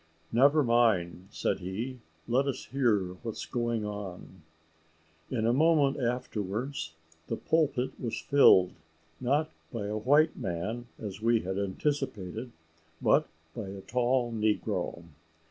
"Never mind," said he, "let us hear what is going on." In a moment afterwards the pulpit was filled, not by a white man, as we had anticipated, but by a tall negro.